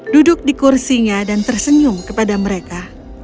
duduk di kursinya dan tersenyum kepada mereka